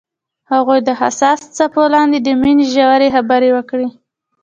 هغوی د حساس څپو لاندې د مینې ژورې خبرې وکړې.